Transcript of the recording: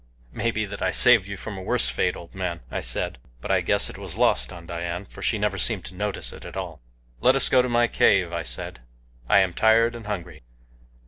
"May be that I saved you from a worse fate, old man," I said, but I guess it was lost on Dian, for she never seemed to notice it at all. "Let us go to my cave," I said, "I am tired and hungry."